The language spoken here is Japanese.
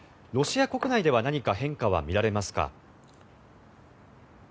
ロシア国内では何か変化は見られますか。